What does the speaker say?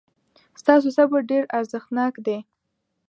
ستا صبر ډېر ارزښتناک دی.